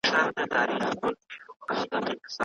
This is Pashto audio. پخوا ټول بحثونه فلسفي وو.